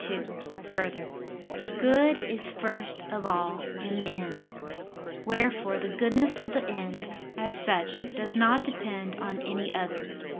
2: Further, good is first of all in the end: wherefore the goodness of the end, as such, does not depend on any other.